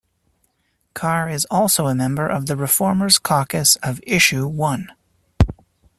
Carr is also a member of the ReFormers Caucus of Issue One.